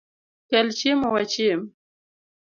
Kel chiemo wachiem